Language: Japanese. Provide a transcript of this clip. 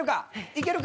いけるか？